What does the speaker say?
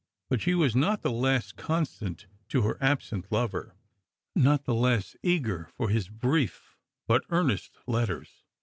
But she was not the less constant to her absent lover ; not the less eager for his brief but earnest letters.